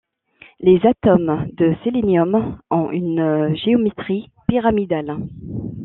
Les atomes de sélénium ont une géométrie pyramidale.